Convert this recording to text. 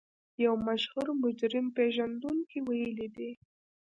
يو مشهور مجرم پېژندونکي ويلي دي.